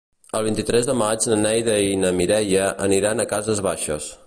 El vint-i-tres de maig na Neida i na Mireia aniran a Cases Baixes.